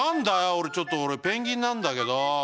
おれちょっとおれペンギンなんだけど。